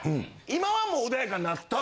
今はもう穏やかになった。